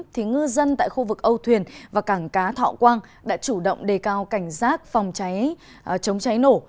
thì ngư dân tại khu vực âu thuyền và cảng cá thọ quang đã chủ động đề cao cảnh giác phòng cháy chống cháy nổ